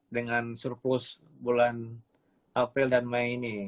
dengan surplus bulan april dan mei ini